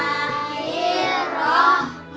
bubar bubar bubar